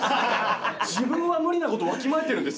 自分は無理なことわきまえてるんですね。